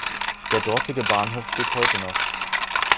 Der dortige Bahnhof steht heute noch.